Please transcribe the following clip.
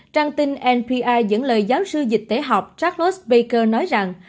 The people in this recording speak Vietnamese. trang tin npr dẫn lời giáo sư dịch tế học charles baker nói rằng